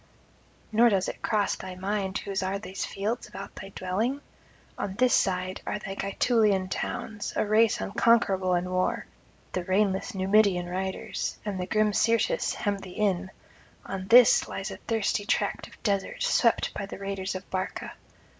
nor does it cross thy mind whose are these fields about thy dwelling? On this side are the Gaetulian towns, a race unconquerable in war; the reinless Numidian riders and the grim Syrtis hem thee in; on this lies a thirsty tract of desert, swept by the raiders of Barca.